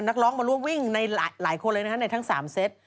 นักร้องมาร่วมวิ่งในหลายคนเลยนะฮะในทั้ง๓เซต